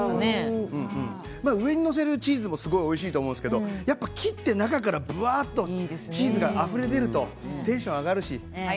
上に載せるチーズでもおいしいと思うんですが切って中からぶわっとチーズがあふれてるとテンション上がるしお